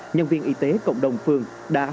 nhân viên y tế cộng đồng phường đã hỏi